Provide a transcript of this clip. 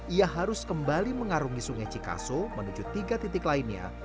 ia harus kembali mengarungi sungai cikaso menuju tiga titik lainnya